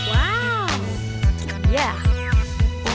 อาหาร